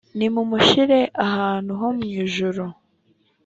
nimumushire ahantu ho mu ijuru